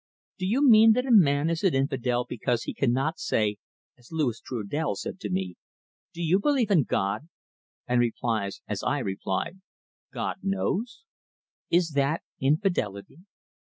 "Do you mean that a man is an infidel because he cannot say, as Louis Trudel said to me, 'Do you believe in God?' and replies, as I replied, 'God knows!' Is that infidelity?